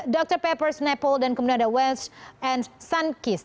dr pepper's naples dan kemudian ada wells and sunkist